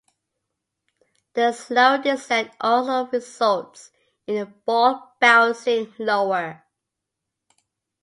The slower descent also results in the ball bouncing lower.